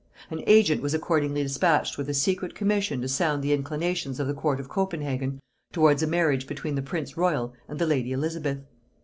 An agent was accordingly dispatched with a secret commission to sound the inclinations of the court of Copenhagen towards a marriage between the prince royal and the lady Elizabeth.